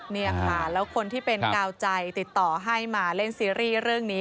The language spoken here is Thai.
นี่ค่ะแล้วคนที่เป็นกาวใจติดต่อให้มาเล่นซีรีส์เรื่องนี้